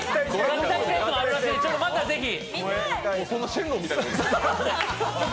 ちょっとまた是非。